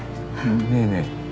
ねえねえ。